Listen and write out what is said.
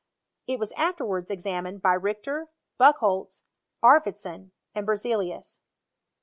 It was afterwards examined by Richter, Bucholz, Arfvedson, and Berzelius.